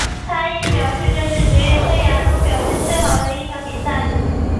他亦表示这是职业生涯中表现最好的一场比赛。